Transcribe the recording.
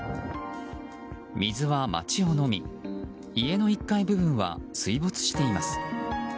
水は街をのみ家の１階部分は水没しています。